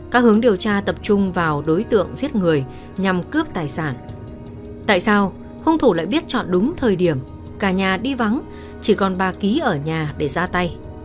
các hướng điều tra tập trung vào đối tượng giết người nhằm cướp tài sản tại sao hung thủ lại biết chọn đúng thời điểm cả nhà đi vắng chỉ còn bà ký ở nhà để ra tay